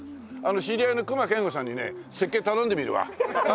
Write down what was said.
知り合いの隈研吾さんにね設計頼んでみるわ。